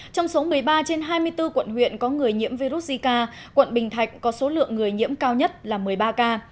trong số một mươi ba trên hai mươi bốn quận huyện có người nhiễm virus zika quận bình thạnh có số lượng người nhiễm cao nhất là một mươi ba ca